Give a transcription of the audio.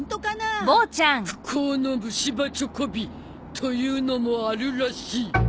不幸の虫歯チョコビというのもあるらしい。